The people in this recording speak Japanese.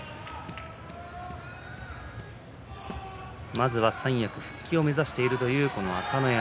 まずは三役復帰を目指しているという朝乃山。